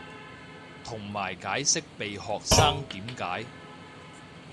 同埋解釋被學生點解